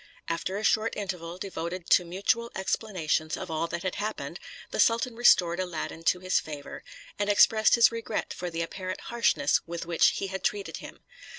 After a short interval devoted to mutual explanations of all that had happened, the sultan restored Aladdin to his favor, and expressed his regret for the apparent harshness with which he had treated him.